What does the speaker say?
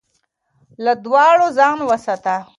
له دوړو ځان وساته